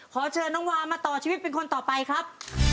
ขอเชิญน้องวามาต่อชีวิตเป็นคนต่อไปครับ